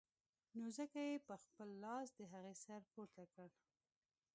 نو ځکه يې په خپل لاس د هغې سر پورته کړ.